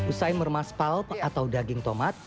setelah mengemas palp atau daging tomat